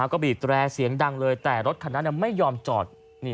ก็บีดแร่เสียงดังเลยแต่รถคันนั้นไม่ยอมจอด